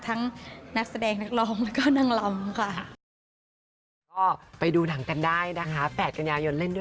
นักแสดงนักร้องแล้วก็นางลำค่ะ